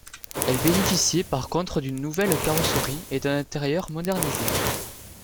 Elle bénéficiait par contre d'une nouvelle carrosserie et d'un intérieur modernisé.